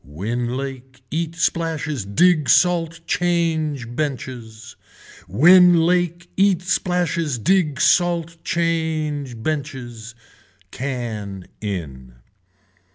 Win lake, eat splashes dig salt change benches. Win lake eat splashes dig salt change benches. Can in.